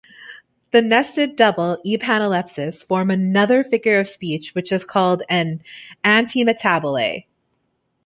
Nested double-epanalepses form another figure of speech, which is called an antimetabole.